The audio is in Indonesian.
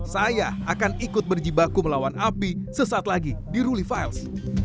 saya akan ikut berjibaku melawan api sesaat lagi di ruli files